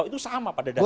itu sama pada dasarnya